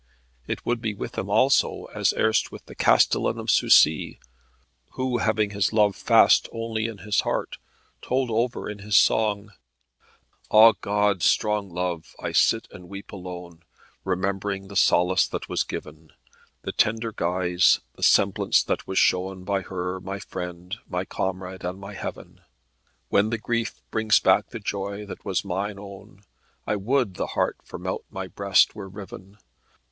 It would be with him also, as erst with the Castellan of Couci, who having his Love fast only in his heart, told over in his song, Ah, God, strong Love, I sit and weep alone, Remembering the solace that was given; The tender guise, the semblance that was shown By her, my friend, my comrade, and my Heaven. When grief brings back the joy that was mine own, I would the heart from out my breast were riven.